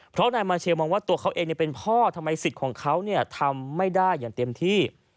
เพราะนายมาเชลมองว่าตัวเขาเองเป็นพ่อทำไมสิทธิ์ของเขาทำไม่ได้อย่างเต็มที่